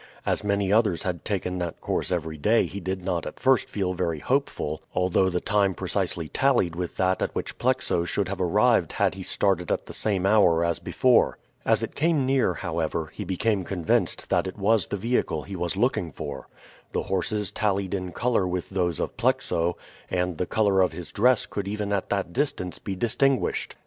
As many others had taken that course every day he did not at first feel very hopeful, although the time precisely tallied with that at which Plexo should have arrived had he started at the same hour as before. As it came near, however, he became convinced that it was the vehicle he was looking for. The horses tallied in color with those of Plexo, and the color of his dress could even at that distance be distinguished.